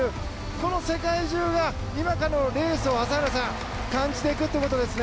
この世界中が今からレースを朝原さん、感じていくっていうことですよね。